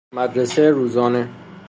مدرسه روزانه